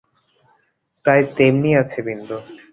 প্রায় তেমনি আছে বিন্দু।